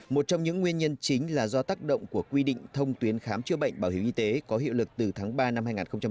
một trong những nguyên nhân chính là do tác động của quy định thông tuyến khám chữa bệnh bảo hiểm y tế có hiệu lực từ tháng ba năm hai nghìn một mươi chín